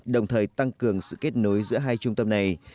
đồng thời tăng cường sự kết nối giữa hai trung tâm này